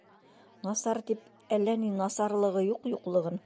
Насар тип, әллә ни насарлығы юҡ юҡлығын.